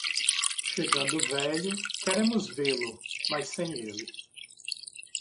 Chegando velho, queremos vê-lo, mas sem ele.